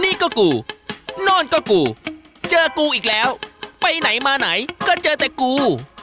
นี่ก็กูโน่นก็กูเจอกูอีกแล้วไปไหนมาไหนก็เจอแต่กู